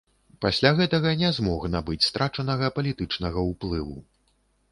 Пасля гэтага не змог набыць страчанага палітычнага ўплыву.